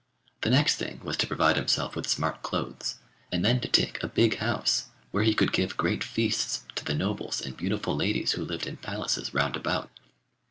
The next thing was to provide himself with smart clothes, and then to take a big house where he could give great feasts to the nobles and beautiful ladies who lived in palaces round about.